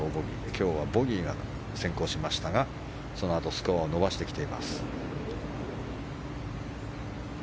今日はボギーが先行しましたがそのあとスコアを伸ばしてきています。